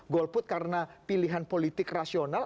golput karena pilihan politik rasional